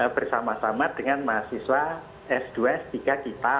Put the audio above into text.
bersama sama dengan mahasiswa s dua s tiga kita